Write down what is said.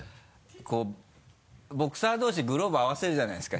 ボクサー同士グローブ合わせるじゃないですか。